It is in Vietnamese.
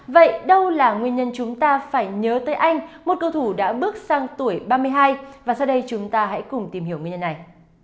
vậy đâu là nguyên nhân chúng ta phải nhớ tới anh một cầu thủ đã bước sang tuổi ba mươi hai và sau đây chúng ta hãy cùng tìm hiểu nguyên nhân này